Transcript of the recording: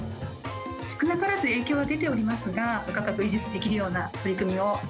少なからず影響は出ておりますが、価格維持できるような取り組みを。